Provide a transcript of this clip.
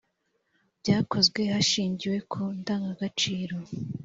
byakozwe hashingiwe ku ndangagaciro